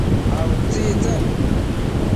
a utsictsec?